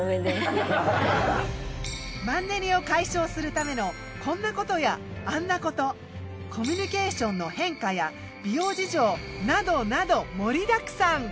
マンネリを解消するためのこんなことやあんなことコミュニケーションの変化や美容事情などなど盛りだくさん。